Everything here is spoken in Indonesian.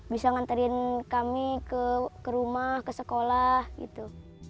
bisa nganterin kami ke rumah ke sekolah gitu